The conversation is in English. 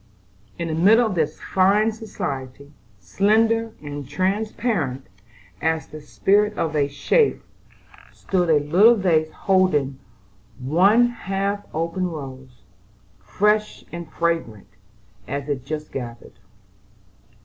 In the middle of this fine society, slender and transparent as the spirit of a shape, stood a little vase holding one half opened rose, fresh and fragrant as if just gathered.